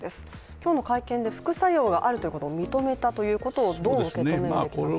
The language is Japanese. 今日の会見で副作用があるということを認めたということをどう受け止めたらいいでしょう？